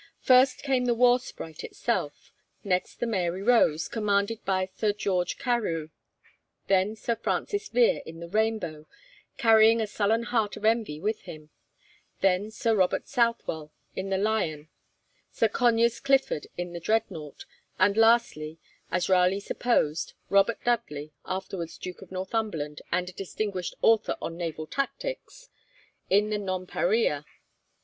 First came the 'War Sprite' itself; next the 'Mary Rose,' commanded by Sir George Carew; then Sir Francis Vere in the 'Rainbow,' carrying a sullen heart of envy with him; then Sir Robert Southwell in the 'Lion,' Sir Conyers Clifford in the 'Dreadnought,' and lastly, as Raleigh supposed, Robert Dudley (afterwards Duke of Northumberland, and a distinguished author on naval tactics) in the 'Nonparilla.'